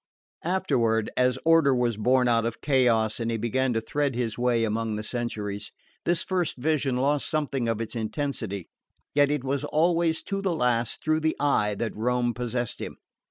Afterward, as order was born out of chaos, and he began to thread his way among the centuries, this first vision lost something of its intensity; yet it was always, to the last, through the eye that Rome possessed him.